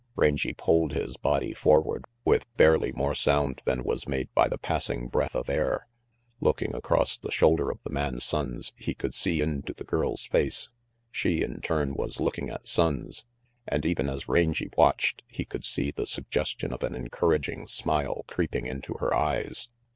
Rangy pulled his body forward with barely more sound than was made by the passing breath of air. Looking across the shoulder of the man Sonnes, he could see into the girl's face. She, in turn, was looking at Sonnes, and even as Rangy watched, he could see the suggestion of an encouraging smile creeping into her eyes.